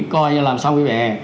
coi là làm xong cái vỉa hè